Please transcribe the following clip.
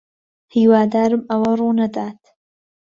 ھیوادارم ئەوە ڕوونەدات.